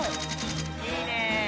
いいね。